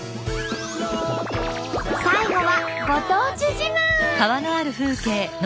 最後はご当地自慢。